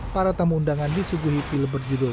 para tamu undangan disuguhi film berjudul